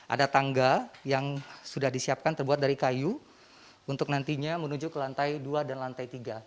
ada tangga yang sudah disiapkan terbuat dari kayu untuk nantinya menuju ke lantai dua dan lantai tiga